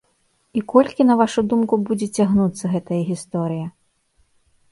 І колькі, на вашу думку, будзе цягнуцца гэтая гісторыя?